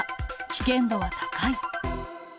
危険度は高い。